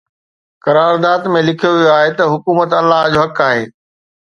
قرارداد ۾ لکيو ويو آهي ته حڪومت الله جو حق آهي.